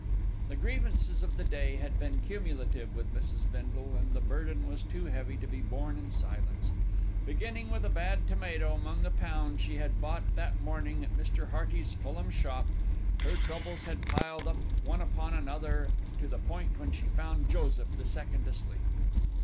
The grievances of the day had been cumulative with Mrs. Bindle, and the burden was too heavy to be borne in silence. Beginning with a bad tomato among the pound she had bought that morning at Mr. Hearty's Fulham shop, her troubles had piled up one upon another to the point when she found Joseph the Second asleep.